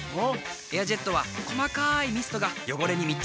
「エアジェット」は細かいミストが汚れに密着。